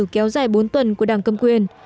kéo dài bốn tuần của đảng câm quyền